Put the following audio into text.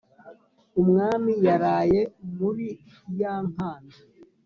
umwami yaraye murí yá nkánda